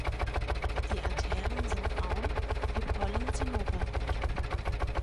Die Antheren sind braun, die Pollen zinnoberrot.